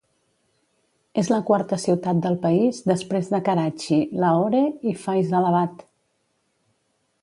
És la quarta ciutat del país després de Karachi, Lahore i Faisalabad.